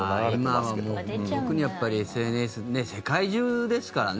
まあ、今はもう特にＳＮＳ、世界中ですからね。